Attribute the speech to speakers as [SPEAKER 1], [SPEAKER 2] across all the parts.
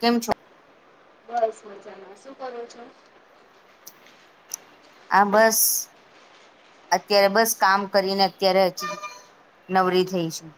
[SPEAKER 1] કેમ છો.
[SPEAKER 2] બસ મજામા શું કરો છો.
[SPEAKER 1] આ બસ અત્યારે બસ કામ કરીને અત્યારે જ નવરી થઈ છું.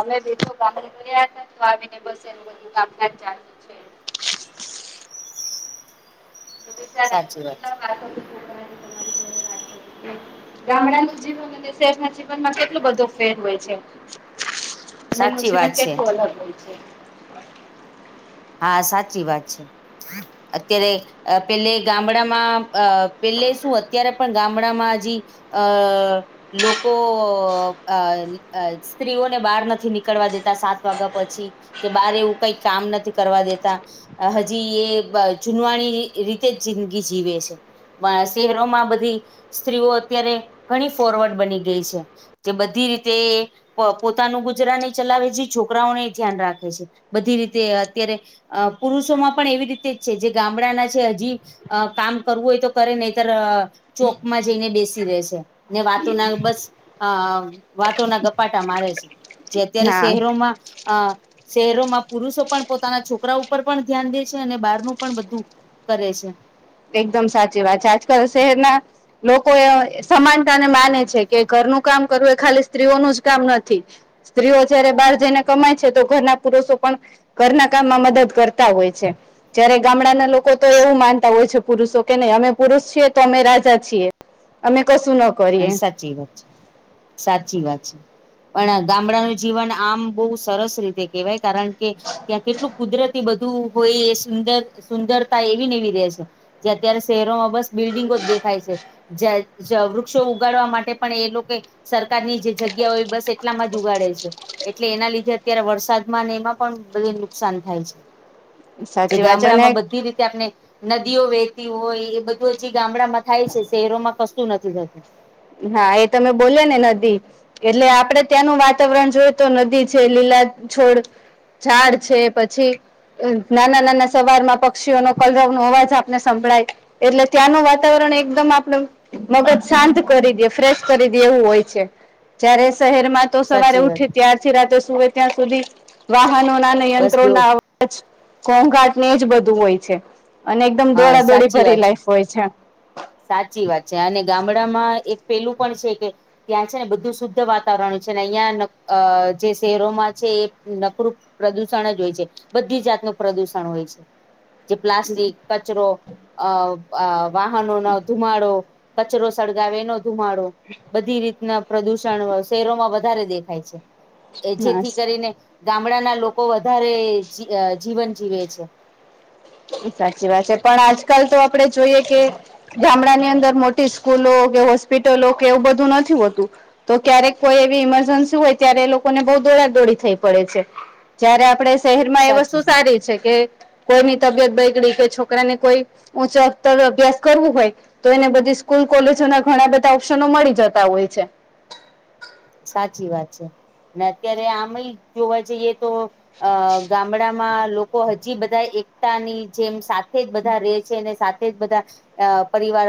[SPEAKER 2] અમે બેઠો ગામડે ફર્યા હતા તો આવીને બસ એનુ બધું કામકાજ ચાલુ જ છે. તો બિચારા
[SPEAKER 1] સાચી વાત
[SPEAKER 2] કેટલા
[SPEAKER 1] છે.
[SPEAKER 2] વાતો કરે છે તમારી જોડે. ગામણાનું જીવન અને શહેરના જીવનમાં કેટલો બધો ફેર હોય છે. ને એમનુ
[SPEAKER 1] સાચી
[SPEAKER 2] જીવન
[SPEAKER 1] વાત છે
[SPEAKER 2] કેટલું અલગ હોય છે.
[SPEAKER 1] હા સાચી વાત છે, અત્યારે અ પેલે ગામડામાં અ પેલે શું અત્યારે પણ ગામડામાં હજી અ લોકો અ સ્ત્રીઓને બહાર નથી નીકળવા દેતા સાત વાગ્યા પછી. કે બાર એવું કઈ કામ નથી કરવા દેતા, હજી એ જૂનવાણી રીતે જ જિંદગી જીવે છે. શહેરોમાં બધી સ્ત્રીઓ અત્યારે ઘણી ફોરવર્ડ બની ગઈ છે. જે બધી રીતે પોતાનું ગુજરાનેય ચલાવે છે છોકરાઓને ધ્યાન રાખે છે બધી રીતે અત્યારે અ પુરુષોમાં પણ એવી રીતે જ છે જે ગામડાના છે હજી અ કામ કરવું હોય તો કરે નહીતર ચોકમાં જઈને બેસી રે છે ને વાતો ના બસ અ વાતો ના ગપાટા મારે છે. જે અત્યારે શહેરોમાં અ શહેરોમાં પુરુષો પણ પોતાના છોકરા ઉપર પણ ધ્યાન દે છે અને બહારનું પણ બધું કરે છે.
[SPEAKER 2] એકદમ સાચી વાત છે આજકાલ શહેરના લોકો એ સમાનતાને માને છે કે ઘરનું કામ કરવું એ ખાલી સ્ત્રીઓનું જ કામ નથી. સ્ત્રીઓ જયારે બહાર જઈને કમાય છે તો ઘરના પુરુષો પણ ઘરના કામમાં મદદ કરતા હોય છે જયારે ગામડાના લોકો તો એવું માનતા હોય છે, પુરુષો કે નહી અમે પુરુષ છીએ તો અમે રાજા છીએ અમે કશું ન
[SPEAKER 1] આમ
[SPEAKER 2] કરીએ
[SPEAKER 1] સાચી વાત છે. સાચી વાત છે પણ ગામડાનું જીવન આમ બહુ સરસ રીતે કેવાય કારણ કે ત્યાં કેટલું કુદરતી બધું હોય એ સુંદર સુંદરતા એવી ને એવી રે છે. જે અત્યારે શહેરોમાં બસ બિલ્ડિંગો જ દેખાય છે, જે વૃક્ષો ઉગાડવા માટે પણ એ લોકો સરકારની જે જગ્યા હોય બસ એટલામાં જ ઉગાડે છે. એટલે એના લીધે અત્યારે વરસાદમાં અને એમાં પણ બધે નુકસાન થાય છે. જે
[SPEAKER 2] સાચી વાત છે અને
[SPEAKER 1] ગામડામાં બધી રીતે આપણે નદીઓ વહેતી હોય એ બધું હજી ગામડામાં થાય છે. શહેરોમાં કશું નથી થતું.
[SPEAKER 2] હા એ તમે બોલ્યો ને નદી એટલે આપડે ત્યાંનું વાતાવરણ જોઈ તો નદી છે. લીલા છોડ ઝાડ છે પછી નાના નાના સવારમાં પક્ષીઓનો કલરોવનો અવાજ આપને સાંભળઆય. એટલે ત્યાંનું વાતાવરણ એકદમ આપડ મગજ શાંત કરી દ ફ્રેશ કરી દે એવું હોય છે. જયારે શહેરમાં તો સવારે
[SPEAKER 1] સાચી વાત
[SPEAKER 2] ઉઠી ત્યારથી રાતે સુવે ત્યાં સુધી વાહનોના અને
[SPEAKER 1] બસ દો
[SPEAKER 2] યંત્રોના અવા જ ઘોઘાટને એજ બધું હોય છે અને એકદમ
[SPEAKER 1] હા
[SPEAKER 2] દોડા દોડી
[SPEAKER 1] સાચી
[SPEAKER 2] ભરી
[SPEAKER 1] વાત
[SPEAKER 2] લાઈફ હોય છે.
[SPEAKER 1] સાચી વાત છે અને ગામડામાં એક પેલું પણ છે કે ત્યાં છે ને બધું શુદ્ધ વાતાવરણ છે ને અહિયાં નક અ જે શહેરોમાં છે એ નકરૂપ પ્રદુષણ જ હોય છે. બધી જાતનું પ્રદુષણ હોય છે.
[SPEAKER 2] હા.
[SPEAKER 1] જે પ્લાસ્ટિક, કચરો અ અ વાહનોનો ધુમાડો કચરો સળગાવે એનો ધુમાડો. બધી રીતના પ્રદૂષણ શહેરોમાં વધારે દેખાય છે એ જેથી કરીને ગામડાના લોકો વધારે જી જીવન જીવે છે.
[SPEAKER 2] એ સાચી વાત છે પણ આજકાલ તો આપડે જોઈએ કે ગામડા ની અંદર મોટી સ્કૂલો કે હોસ્પિટલો કે એવું બધું નથી હોતું. તો ક્યારેક કોઈ એવી ઇમરજન્સી હોય ત્યારે એ લોકોને બઉ દોડા દોડી થઈ પડે છે. જયારે આપણે શહેરમાં એ વસ્તુ સારી છે કે કોઈની તબિયત બઈગડી કે છોકરાને કોઈ ઊંચા અતર અભ્યાસ કરવું હોય તો એને બધી સ્કૂલ કોલેજો ના ઘણા બધાં ઓપ્શનો મળી જતા હોય છે.
[SPEAKER 1] સાચી વાત છે ને અત્યારે આમ એ જોવા જઈએ તો અ ગામડામાં લોકો હજી બધા એકતાની જેમ સાથે જ બધા રેહ છે ને સાથે એ જ બધા અ પરિવાર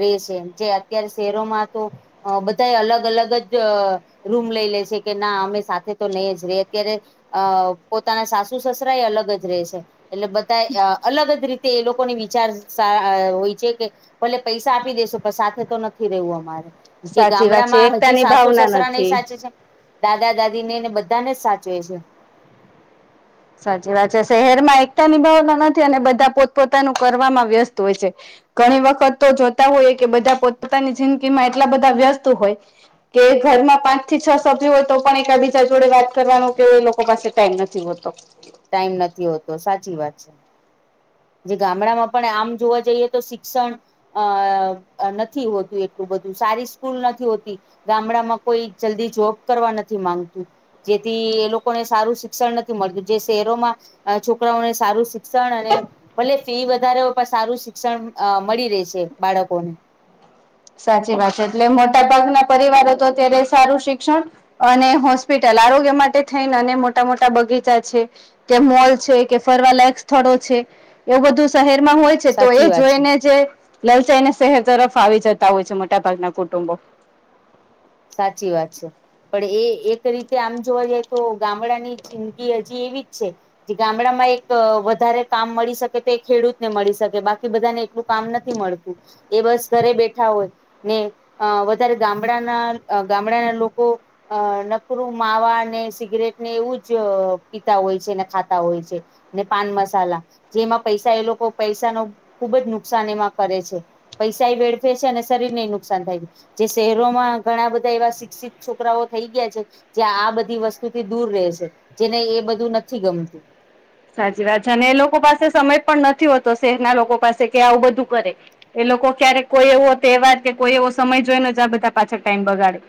[SPEAKER 1] રે છે જે અત્યારે શહેરોમાં તો અ બધા એ અલગ અલગ જ અ રૂમ લઈ લે છે કે ના અમે સાથે તો નહી જ રહી હકીએ રે અ પોતાના સાસુ સસરા એ અલગ જ રહે છે એટલે બધાએ અ અલગ જ રીતે એ લોકોની વિચાર સાર હોય છે કે ભલે પૈસા આપી દઈશું સાથે તો નથી રહેવું અમાર. જે
[SPEAKER 2] સાચી વાત છે
[SPEAKER 1] ગામડામાં હજી
[SPEAKER 2] એકતાની
[SPEAKER 1] સાસુ
[SPEAKER 2] ભાવના
[SPEAKER 1] સસરા નઈ
[SPEAKER 2] નથી
[SPEAKER 1] સાચે છે દાદા દાદીને ને બધા ને જ સાચવે છે.
[SPEAKER 2] સાચી વાત છે. શહેરમાં એકતાની ભાવના નથી અને બધા પોત પોતાનું કરવામાં વ્યસ્ત હોય છે. ઘણી વખત તો જોતા હોઈએ કે બધા પોત પોતાની જિંદગીમાં એટલા બધા વ્યસ્ત હોય કે ઘરમાં પાંચ થી છ સભ્યો હોય તો પણ એકબીજા જોડે વાત કરવાનો કે એ લોકો પાસે ટાઈમ નથી હોતો. [unintelligible]
[SPEAKER 1] ટાઈમ નથી હોતો સાચી વાત છે. જે ગામડામાં પણ આમ જોવા જઈએ તો શિક્ષણ અ નથી હોતું એટલું બધું. સારી સ્કૂલ નથી હોતી. ગામડામાં કોઈ જલ્દી જોબ કરવા નથી માંગતું. જેથી એ લોકોને સારું શિક્ષણ નથી મળતું જે શહેરોમાં છોકરાઓને સારું શિક્ષણ અને ભલે ફી વધારે હોય પણ સારું શિક્ષણ અ મળી રહે છે બાળકોને.
[SPEAKER 2] સાચી વાત છે એટલે મોટા ભાગના પરિવારો તો અત્યારે સારું શિક્ષણ અને હોસ્પિટલ આરોગ્ય માટે થઈને અને મોટા મોટા બગીચા છે. કે મોલ છે કે ફરવા લયક સ્થળો છે એવું બધું શહેરમાં હોય છે તો
[SPEAKER 1] સાચી
[SPEAKER 2] એ
[SPEAKER 1] વાત છે.
[SPEAKER 2] જોઈને જે લલચાઈને શહેર તરફ આવી જતા હોય છે મોટાભાગના કુટુંબો.
[SPEAKER 1] સાચી વાત છે. પણ એ એક રીતે આમ જોવા જઈએ તો ગામડા ની જિંદગી હજી એવી જ છે. જે ગામડામાં એક અહ વધારે કામ મળી શકે તો એ ખેડૂતને મળી શકે બાકી બધાને એટલું કામ નથી મળતું એ બસ ઘરે બેઠા હોય ને અહ વધારે ગામડાના અહ ગામડાના લોકો અહ નકરું માવા ને સિગરેટ ને એવું જ અહ પીતા હોય છે ને ખાતા હોય છે. ને પાન મસાલા જેમાં પૈસા એ લોકો પૈસા નો ખુબ જ નુકસાન એમાં કરે છે. પૈસાય વેડફે છે અને શરીર નેય નુકસાન થાય છે જે શહેરોમાં ઘણા બધા એવા શિક્ષિત છોકરાઓ થઈ ગયા છે જયાં આ બધી વસ્તુથી દૂર રહે છે જેને એ બધું નથી ગમતું.
[SPEAKER 2] સાચી વાત છે અને એ લોકો પાસે સમય પણ નથી હોતો શહેરના લોકો પાસે કે આવું બધું કરે. એ લોકો ક્યારેક કોઈ એવો તહેવાર કે કોઈ એવો સમય જોઈને જ આ બધા પાછડ ટાઈમ બગાડે.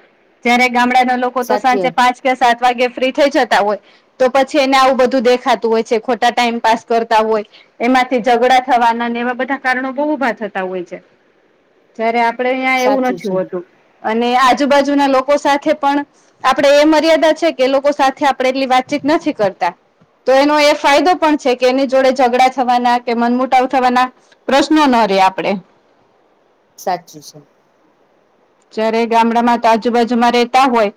[SPEAKER 2] જયારે ગામડાના લોક હોતો
[SPEAKER 1] સાચી
[SPEAKER 2] સાંજે પાંચ કે સાત વાગે ફ્રી થઈ જતા હોય તો પછી એને આવું બધું દેખાતું હોય. છે ખોટા પાસ કરતા હોય. એમાંથી ઝઘડા થવાના ને એવા બધા કારણો બહુ ઊભા થતા હોય છે. જયારે આપડે અહીંયા એવું
[SPEAKER 1] સાચું
[SPEAKER 2] નથી
[SPEAKER 1] છે
[SPEAKER 2] હોતું અને આજુબાજુના લોકો સાથે પણ આપડે એ મર્યાદા છે કે એ લોકો સાથે આપડે એટલી વાતચીત નથી કરતા તો એનો એ ફાયદો પણ છે કે એની જોડે ઝઘડા થવાના કે મનમુટાવ થવાના પ્રશ્નો ના રે આપડે
[SPEAKER 1] સાચું છે.
[SPEAKER 2] જયારે ગામડામાં તો આજુબાજુમાં રહેતા હોય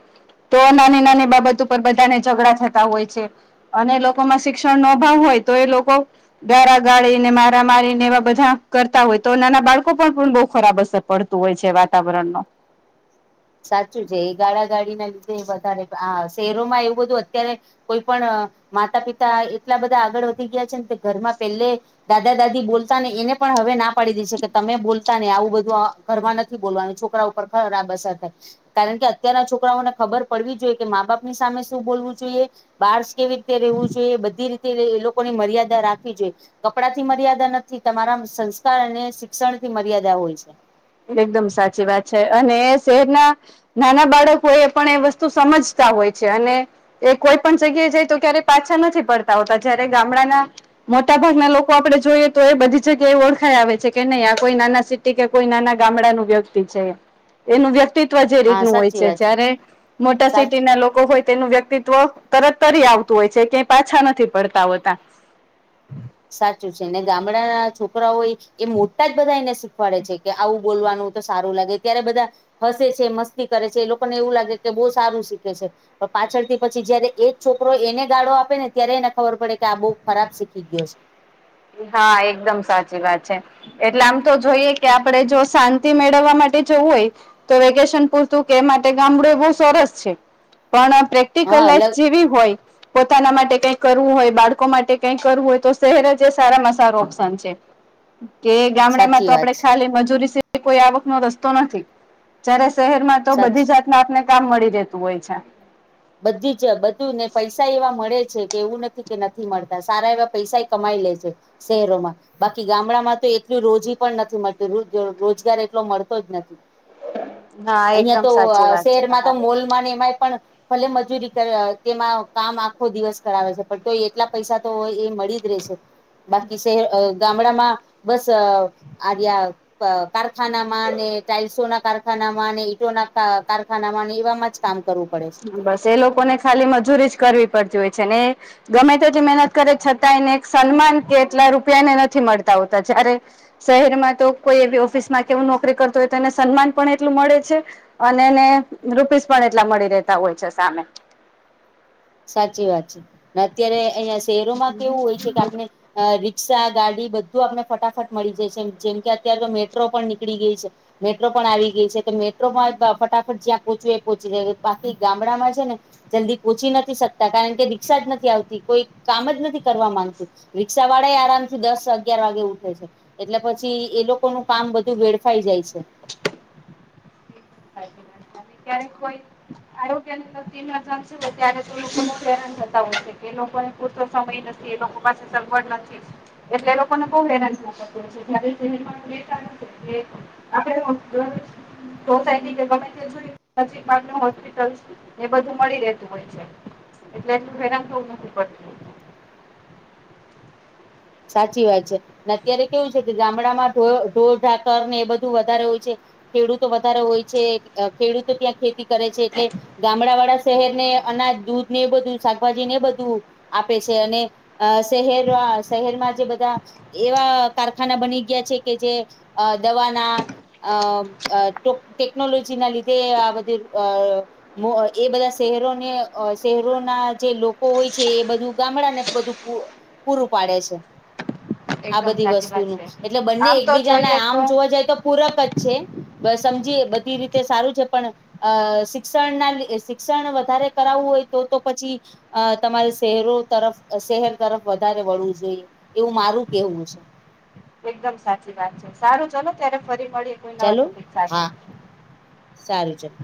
[SPEAKER 2] તો નાની નાની બાબતો ઉપર બધાને ઝઘડા થતા હોય છે. અને એ લોકોમાં શિક્ષણ નો અભાવ હોય તો એ લોકો ગારા ગાળી ને મારા મારી ને એવા બધા કરતા હોય તો નાના બાળકો પર પણ બઉ ખરાબ અસર પડ તું હોય છે વાતાવરણ નો.
[SPEAKER 1] સાચું છે એ ગાળા ગાળી ના લીધે વધારે આ શહેરોમાં એવું બધું અત્યારે કોઈ પણ અહ માતા પિતા એટલા બધા આગળ વધી ગયા છે ને કે ઘરમાં પેલે દાદા દાદી બોલતા ને એને પણ હવે ના પાડી દે છે કે તમે બોલતા ને આવું બધું આ ઘરમાં નથી બોલવાનું છોકરા ઉપર ખરાબ અસર થાય. કારણ કે અત્યારના છોકરાઓને ખબર પડવી જોઈએ કે માં બાપની સામે શું બોલવું જોઈએ બાર કેવી રીતે રવું જોઈએ બધી રીતે એ લોકોની મર્યાદા રાખવી જોઈએ. કપડાથી મર્યાદા નથી તમારા સંસ્કાર અને શિક્ષણથી મર્યાદા હોય છે.
[SPEAKER 2] એકદમ સાચી વાત છે અને શહેરના નાના બાળકો એ પણ એ વસ્તુ સમજતા હોય છે અને એ કોઈ પણ જગ્યાએ જાય તો ક્યારે પાછા નથી પડતા હોતા જયારે ગામડાના મોટા ભાગના લોકો આપડે જોઈએ તો એ બધી જગ્યાએ એ ઓળખાય આવે છે કે નઈ આ કોઈ નાના સિટી કે કોઈ નાના ગામડાનું વ્યક્તિ છે એનું વ્ય ક્તિવ જે
[SPEAKER 1] હા
[SPEAKER 2] રીતનું હોય
[SPEAKER 1] સાચી
[SPEAKER 2] છે
[SPEAKER 1] વાત
[SPEAKER 2] જયારે મોટા
[SPEAKER 1] સાચી
[SPEAKER 2] સિટી ના લોકો હોય તેનું વ્યક્તિ ત્વ તરત તરી આવતું હોય છે કે પાછા નથી પડતા હોતા.
[SPEAKER 1] સાચું છે ને ગામડાના છોકરાઓય એ મોટા જ બધા એને શીખવાડે છે કે આવું બોલવાનું તો સારું લાગે ત્યારે બધા હસે છે મસ્તી કરે છે એ લોકોને એવું લાગે કે બહુ સારું શીખે છે. પણ પાછળથી પછી જયારે એ જ છોકરો એને ગાળો આપે ને ત્યારે એને ખબર પડે કે આ બહુ ખરાબ શીખી ગ્યો છે.
[SPEAKER 2] હા એકદમ સાચી વાત છે. એટલે આમ તો જોઈએ કે આપડે જો શાંતિ મેળવવા માટે જવું હોય તો વેકેશન પૂરતું કે એ માટે ગામડું બહુ સરસ છે. પણ પ્રેક્ટીકલ
[SPEAKER 1] હા
[SPEAKER 2] લાઈફ
[SPEAKER 1] અલગ
[SPEAKER 2] જેવી હોય પોતાના માટે કંઈ કરવું હોય બાળકો માટે કઈ કરવું હોય તો શહેર જ સારામાં સારો ઓપ્શન છે કે ગામડામાં
[SPEAKER 1] સાચી
[SPEAKER 2] તો
[SPEAKER 1] વાત
[SPEAKER 2] આપડે
[SPEAKER 1] છે
[SPEAKER 2] ખાલી મજૂરી એ કોઈ આવકનો રસ્તો નથી. જયારે શહેરમાં તો બધી
[SPEAKER 1] સાચી
[SPEAKER 2] જાત જાતનું કામ મળી રહેતું હોય છે.
[SPEAKER 1] બધી જ બધું ને પૈસા એવા મળે છે. કે એવું નથી કે નથી મળતા સારા એવા પૈસાઈ કમાઈ લે છે. શહેરોમાં‌. બાકી ગામડામાં તો એટલું રોજી પણ નથી. મળતું રોજગાર એટલો મળતો જ નથી.
[SPEAKER 2] ના એકદમ સાચી વાત છે. તમારી
[SPEAKER 1] એમાં ને એમાંઈ પણ ભલે મજૂરી કરે તેમાં કામ આખો દિવસ કરાવે છે. પણ તો એટલા પૈસા તો હોય એ મળી જ રહેશે. બાકી શહે ગામડામાં બસ આવ્યાં. કારખાનામાં ને ટાઇલ્સોના કારખાનામાં ને ઈંટોના કારખાનામાં ને એવામાં. કામ કરવું પડે છે.
[SPEAKER 2] બસ એ લોકોને ખાલી મજૂરી જ કરવી પડતી હોય છે. ને એ ગમે તે એટલી મહેનત કરે છતાં એને એક સન્માન કે એટલા રૂપિયા ને નથી મળતા હોતા જયારે. શહેરમાં તો કોઈ એવી ઓફિસ માં કેવું નોકરી કરતું હોય તો એને સન્માન પણ એટલું મળે છે. અને એને રૂપીસ પણ એટલા મળી રહેેતા હોય છે. સામે
[SPEAKER 1] સાચી વાત છે. અને અત્યારે અહિયાં શહેરોમાં કેવું હોય છે. કે આપને અ રિક્ષા ગાડી બધું આપને ફટાફટ મળી જાય છે. જેમ કે અત્યારે તો મેટ્રો પણ નીકળી ગઈ છે મેટ્રો પણ આવીગી છે તો મેટ્રો પણ ફટાફટ જ્યાં પહોચું એ પોચી પાછથી ગામડામાં છે ને જલ્દી પોહોંચી નથી શકતા કારણ કે રીક્ષા જ નથી આવતી કોઈ કામ જ નથી કરવા માંગતું. રિક્ષા વાળા એ આરામથી દસ અગિયાર વાગે ઊઠે છે. એટલે પછી એ લોકોનું કામ બધું વેડફાઈ જાય છે.
[SPEAKER 2] તમે ક્યારેક કોઈ આરોગ્યની [unintelligible] અંદર જ હોય ત્યારે તો લોકો ન હેરા થતા હોય છે કે લોકોને પૂરતો સમય નથી. એ લોકો પાસે સગવડ નથી. એટલે એ લોકોને બઉ હેરાન થવું પડતું હશે જ્યારે શહેર બે આપે [unintelligible] સોસાયટી કેગમે તેહોસ્પિટલ એ બધું મળી રહેતું હોય છે. એટલે એટલું હેરાન થવું નથી પડતું.
[SPEAKER 1] સાચી વાત છે. ને અત્યારે કેવું છે કે ગામડામાં ઢોર ઢાકર ને એ બધું વધારે હોય છે. ખેડૂતો વધારે હોયછે ખેડૂતો ત્યાં ખેતી કરે છે ‌. ગામડાવાડા શહેરને અનાજ દૂધ ને એ બધું શાકભાજી ને એ બધું આપે છે અને શહેરમાં શહેરમાં જે બધાં એવા કારખાના બની ગયા છે. કે જે દવાના અ ટેકનોલોજીના લીધે આ બધી અ એ બધાં શહેરોને શહેરોના જે લોકો હોય છે. એ બધું ગામડા ને બધું. પૂરુપાડે છે. આ બધી વસ્તુનું એટલે બંને એકબીજાને આમ જોવા જાય તો પૂરક જ છે. બસ સમજીએ બધી રીતે સારું છે પણ. અ શિક્ષણ ના શિક્ષણ વધારે કરાવવું હોય તો પછી.. અ તમારે શહેરો તરફ શહેર તરફ વધારે વળવું જોઈએ. એવું મારું કહેવું છે.
[SPEAKER 2] એકદમ સાચી વાત છે. સારું ચલો મેડમ ત્યારે ફરી મળીએ.
[SPEAKER 1] ચાલો, હા, સારું ચલો.